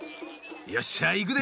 よっしゃいくで！